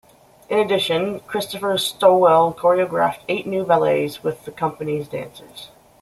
In addition, Christopher Stowell choreographed eight new ballets with the company's dancers.